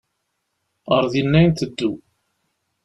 Ar dinna i nteddu.